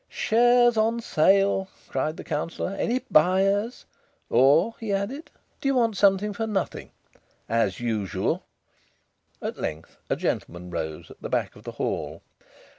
"Shares on sale!" cried the Councillor. "Any buyers? Or," he added, "do you want something for nothing as usual?" At length a gentleman rose at the back of the hall.